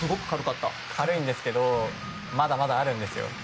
軽いんですけどまだまだあるんですよ。